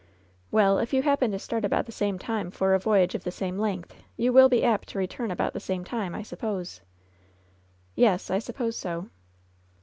"Well, if you happen to start about the same time for a voyage of the same length, you will be apt to return about the same time, I suppose I" "Yes, I suppose so."